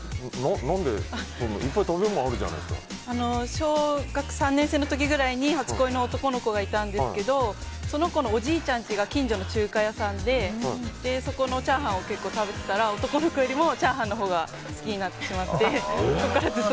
小学３年生の時くらいに初恋の男の子がいたんですがその子のおじいちゃん家が近所の中華屋さんでそこのチャーハンを結構食べてたら男の子よりもチャーハンのほうが好きになってしまって。